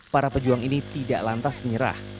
para pejuang ini tidak lantas menyerah